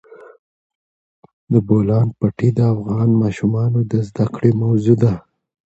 د بولان پټي د افغان ماشومانو د زده کړې موضوع ده.